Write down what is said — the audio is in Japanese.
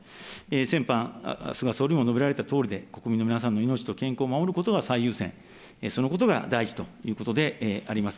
先般、菅総理も述べられたとおりで、国民の皆さんの命と健康を守ることが最優先、そのことが第一ということであります。